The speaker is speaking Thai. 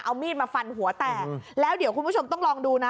เอามีดมาฟันหัวแตกแล้วเดี๋ยวคุณผู้ชมต้องลองดูนะ